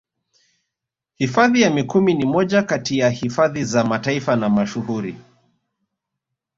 Hifadhi ya Mikumi ni moja kati ya hifadhi za Taifa na mashuhuri